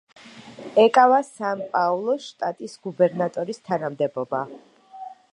ეკავა სან-პაულუს შტატის გუბერნატორის თანამდებობა.